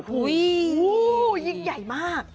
อุ้ยยิ่งใหญ่มาก